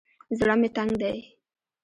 زړه مې تنګ دى.